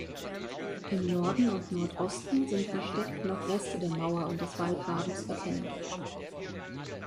Im Norden und Nordosten sind versteckt noch Reste der Mauer und des Wallgrabens erkennbar.